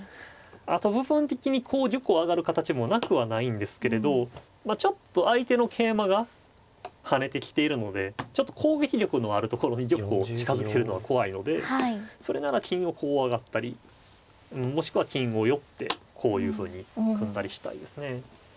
あと部分的にこう玉を上がる形もなくはないんですけれどちょっと相手の桂馬が跳ねてきているのでちょっと攻撃力のあるところに玉を近づけるのは怖いのでそれなら金をこう上がったりもしくは金を寄ってこういうふうに組んだりしたいですね。